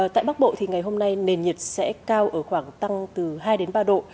tại bắc bộ thì ngày hôm nay nền nhiệt sẽ cao ở khoảng tăng từ hai đến ba độ